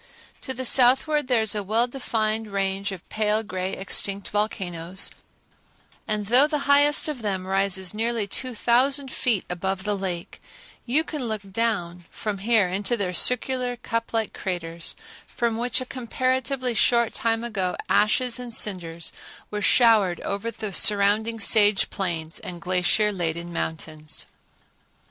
To the southward there is a well defined range of pale gray extinct volcanoes, and though the highest of them rises nearly two thousand feet above the lake, you can look down from here into their circular, cup like craters, from which a comparatively short time ago ashes and cinders were showered over the surrounding sage plains and glacier laden mountains.